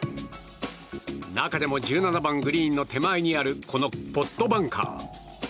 中でも１７番グリーンの手前にあるこのポットバンカー。